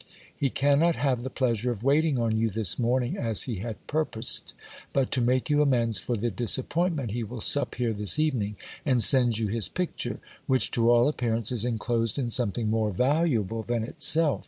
He cannot have the pleasure of waiting on you this morning, as he had purposed ; but to make you amends for the disappointment, he will sup here this evening, and sends you his picture ; which to all appearance is enclosed in something more valuable than itself.